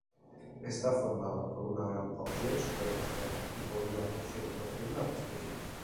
Está formada por una gran porción superficial y por una porción profunda más pequeña.